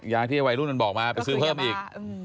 ยาที่วัยรุ่นมันบอกมาไปซื้อเพิ่มอีก